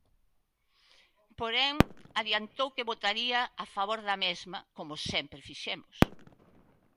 Porén, adiantou que votaría a favor da mesma "como sempre fixemos".